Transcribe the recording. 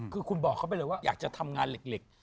คือคุณบอกเขาไปเลยว่าอยากจะทำงานเหล็ก